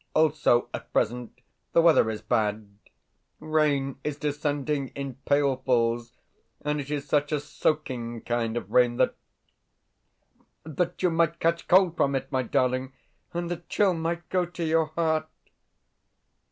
Also, at present the weather is bad. Rain is descending in pailfuls, and it is such a soaking kind of rain that that you might catch cold from it, my darling, and the chill might go to your heart.